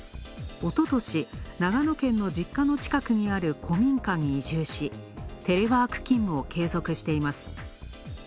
おととし、長野県の実家の近くにある古民家に移住し、テレワーク勤務を継続しています。